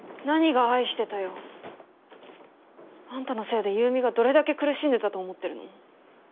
何が「愛してた」よ。あんたのせいで優美がどれだけ苦しんでたと思ってるの？